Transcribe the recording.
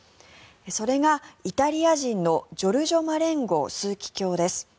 それがイタリア人のジョルジョ・マレンゴ枢機卿です。